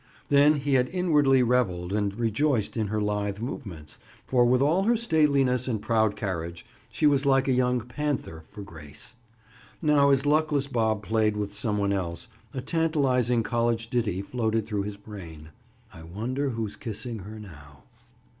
Then he had inwardly reveled and rejoiced in her lithe movements—for with all her stateliness and proud carriage, she was like a young panther for grace. Now as luckless Bob played with some one else, a tantalizing college ditty floated through his brain: "I wonder who's kissing her now?"